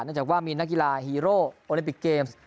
จากว่ามีนักกีฬาฮีโร่โอลิมปิกเกมส์